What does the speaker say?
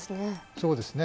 そうですね。